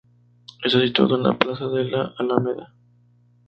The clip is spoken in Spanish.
Está situado en la Plaza de La Alameda.